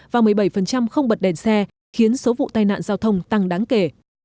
và một mươi bảy không bật đèn xe khiến số vụ tai nạn giao thông tăng đáng kể